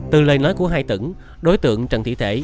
từ lời nói của hai tửng đối tượng trần thị thế